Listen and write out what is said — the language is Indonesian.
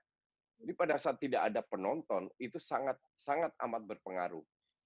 jadi pada saat tidak ada penonton itu sangat sangat amat berpengaruh